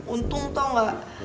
untung tau gak